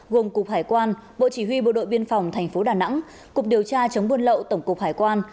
gồm cục hải quan bộ chỉ huy bộ đội biên phòng tp đà nẵng cục điều tra chống buôn lậu tổng cục hải quan